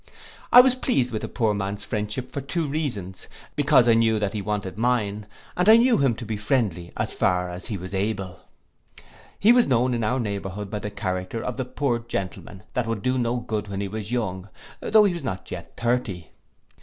I was pleased with the poor man's friendship for two reasons; because I knew that he wanted mine, and I knew him to be friendly as far as he was able. He was known in our neighbourhood by the character of the poor Gentleman that would do no good when he was young, though he was not yet thirty.